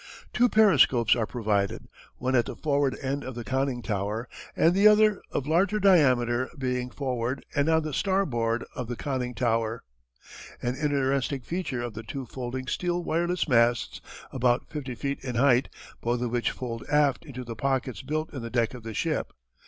Two periscopes are provided; one at the forward end of the conning tower, and the other, of larger diameter, being forward and on the starboard of the conning tower. An interesting feature is the two folding, steel, wireless masts, about 50 feet in height, both of which fold aft into pockets built in the deck of the ship.